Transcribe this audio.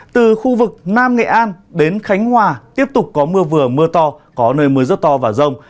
từ khu vực nam nghệ an đến khánh hòa tiếp tục có mưa vừa mưa to có nơi mưa rất to và rông